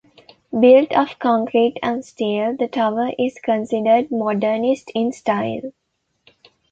Built of concrete and steel, the tower is considered Modernist in style.